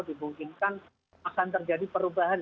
dibungkinkan akan terjadi perubahan